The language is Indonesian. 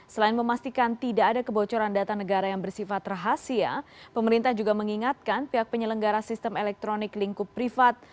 selain memastikan tidak ada kebocoran data negara yang bersifat rahasia pemerintah juga mengingatkan pihak penyelenggara sistem elektronik lingkup privat